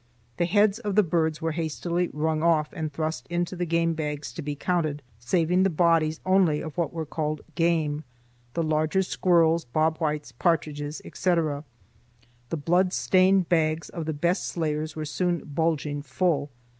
The heads of the birds were hastily wrung off and thrust into the game bags to be counted, saving the bodies only of what were called game, the larger squirrels, bob whites, partridges, etc. The blood stained bags of the best slayers were soon bulging full.